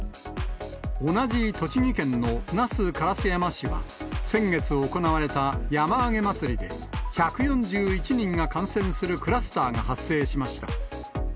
同じ栃木県の那須烏山市は、先月行われた山あげ祭で１４１人が感染するクラスターが発生しました。